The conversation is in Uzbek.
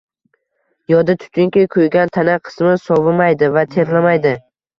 Yodda tutinki, kuygan tana qismi sovimaydi va terlamaydi